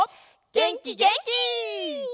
げんきげんき！